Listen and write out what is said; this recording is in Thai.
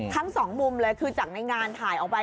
ทั้งสองมุมเลยคือจากในงานถ่ายออกไป